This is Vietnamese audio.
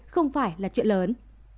không phải là chuyện lớn